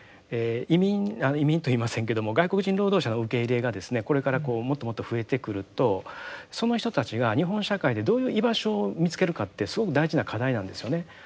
移民あっ移民と言いませんけども外国人労働者の受け入れがですねこれからこうもっともっと増えてくるとその人たちが日本社会でどういう居場所を見つけるかってすごく大事な課題なんですよね。